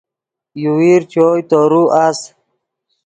یوویر چوئے تورو اَس